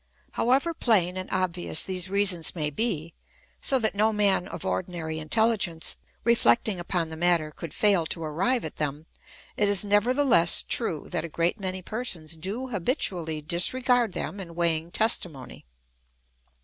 However plain and obvious these reasons may be, so that no man of ordinary intelhgence, reflecting upon the matter, could fail to arrive at them, it is nevertheless true that a great many persons do habitually disregard them in weighing testimony.